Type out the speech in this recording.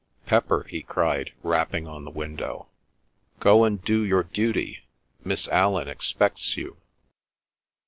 ... Pepper!" he cried, rapping on the window. "Go and do your duty. Miss Allan expects you."